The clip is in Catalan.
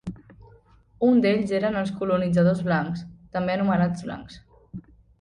Un d'ells eren els colonitzadors blancs, també anomenats "blancs".